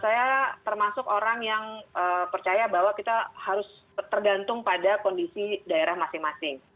saya termasuk orang yang percaya bahwa kita harus tergantung pada kondisi daerah masing masing